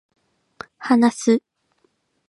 話す